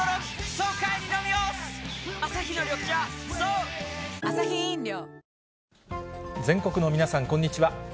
「颯」全国の皆さん、こんにちは。